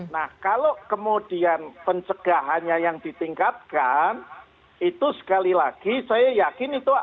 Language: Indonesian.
nah kalau kemudian pencegahannya yang ditingkatkan itu sekali lagi saya yakin itu akan